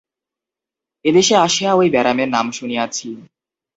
এদেশে আসিয়া ঐ ব্যারামের নাম শুনিয়াছি।